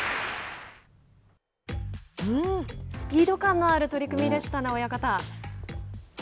スピード感のある取組でしたね親方。